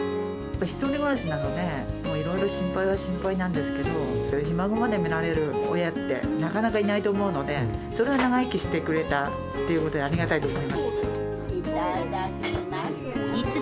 １人暮らしなので、いろいろ心配は心配なんですけど、ひ孫まで見られる親って、なかなかいないと思うので、それは長生きしてくれたっていうので、ありがたいと思います。